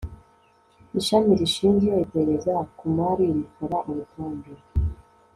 Ishami rishinzwe iperereza ku mari rikora urutonde